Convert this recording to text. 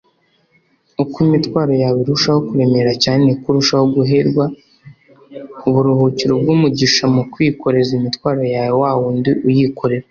uko imitwaro yawe irushaho kuremera cyane, ni ko urushaho guherwa uburuhukiro bw’umugisha mu kwikoreza imitwaro yawe wa wundi uyikorera